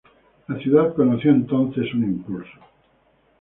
La ciudad conoció entonces un impulso.